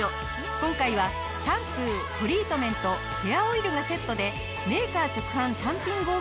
今回はシャンプートリートメントヘアオイルがセットでメーカー直販単品合計価格